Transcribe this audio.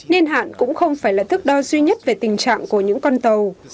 niên hạn cũng không phải là thức đo duy nhất về tình trạng của những con tàu